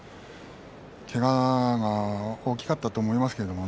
けがが大きかったと思います。